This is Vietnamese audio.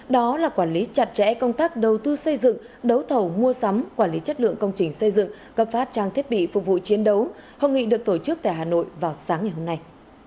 đó là quản lý chặt chẽ công tác đầu tư xây dựng đấu thầu mua sắm quản lý chất lượng công trình xây dựng cấp phát trang thiết bị phục vụ chiến đấu hội nghị được tổ chức tại hà nội vào sáng ngày hôm nay